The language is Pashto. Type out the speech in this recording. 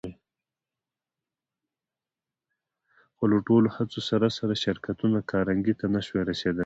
خو له ټولو هڅو سره سره يې شرکتونه کارنګي ته نه شوای رسېدای.